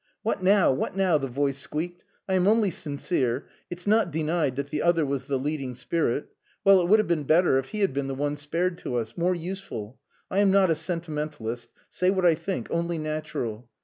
"What now? what now?" the voice squeaked. "I am only sincere. It's not denied that the other was the leading spirit. Well, it would have been better if he had been the one spared to us. More useful. I am not a sentimentalist. Say what I think...only natural."